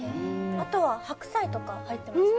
あとは白菜とか入ってました。